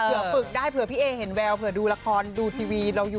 เผื่อฝึกได้เผื่อพี่เอ๋เห็นแวว